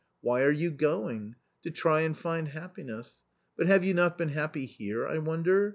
Why are you going ? To try and find happiness. But have you not been happy here, I wonder?